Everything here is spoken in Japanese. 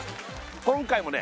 今回もね